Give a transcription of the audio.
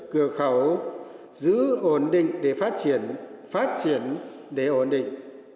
cửa khẩu giữ ổn định để phát triển phát triển để ổn định